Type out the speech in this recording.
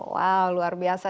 wow luar biasa